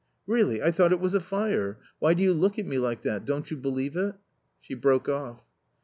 " Really, I thought it was a fire. Why do you look at me like that, don't you believe it?" She broke off.